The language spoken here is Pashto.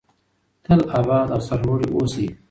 تل اباد او سرلوړي اوسئ.